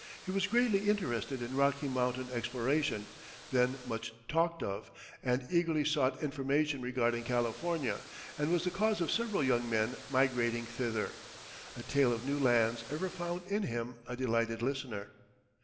He was greatly interested in Rocky Mountain exploration, then much talked of, and eagerly sought information regarding California; and was the cause of several young men migrating thither. A tale of new lands ever found in him a delighted listener.